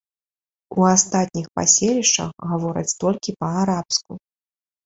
У астатніх паселішчах гавораць толькі па-арабску.